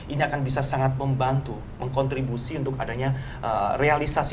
ini akan bisa sangat membantu mengkontribusi untuk adanya realisasi